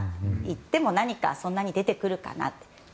行っても何かそんなに出てくるかなと。